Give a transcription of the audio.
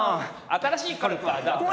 新しいコルクはどこ？